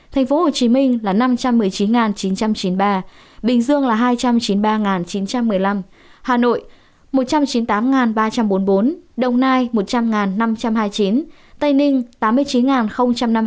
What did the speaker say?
tp hcm là năm trăm một mươi chín chín trăm chín mươi ba bình dương là hai trăm chín mươi ba chín trăm một mươi năm hà nội một trăm chín mươi tám ba trăm bốn mươi bốn đồng nai một trăm linh năm trăm hai mươi chín tây ninh tám mươi chín năm mươi chín